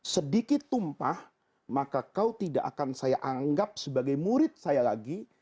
sedikit tumpah maka kau tidak akan saya anggap sebagai murid saya lagi